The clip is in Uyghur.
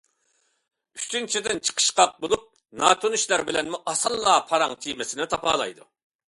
ئۈچىنچىدىن، چىقىشقاق بولۇپ، ناتونۇشلار بىلەنمۇ ئاسانلا پاراڭ تېمىسىنى تاپالايدۇ.